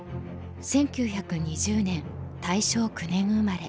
１９２０年大正９年生まれ。